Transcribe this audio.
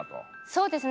そうですね。